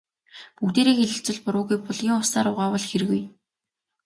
Бүгдээрээ хэлэлцвэл буруугүй, булгийн усаар угаавал хиргүй.